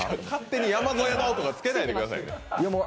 勝手に「山添の」とかつけないでくださいよ。